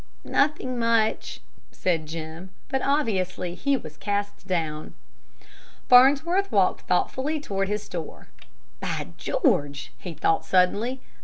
"Nothing much," said Jim, but obviously he was cast down. Farnsworth walked thoughtfully toward his store. "By George!" he thought suddenly.